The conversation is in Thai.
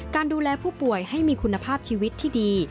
การดูแลผู้ป่วยให้มีคุณภาพชีวิตที่ดี